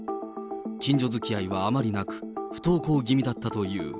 近所づきあいはあまりなく、不登校気味だったという。